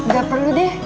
gak perlu deh